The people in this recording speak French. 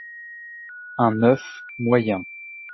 un oeuf moyen